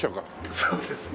そうですね。